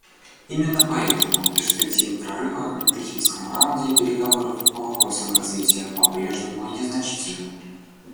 Именно поэтому перспективы прорыва на Дохинском раунде переговоров по вопросам развития попрежнему незначительны.